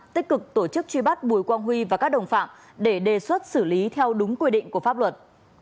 tích cực tổ chức truy bắt bùi quang huy và các đồng phạm để đề xuất xử lý theo đúng quy định của pháp luật